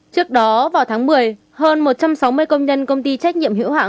trước đó vào tháng một mươi hơn một trăm sáu mươi công nhân công ty trách nhiệm hữu hạng